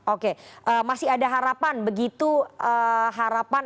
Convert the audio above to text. oke masih ada harapan begitu harapan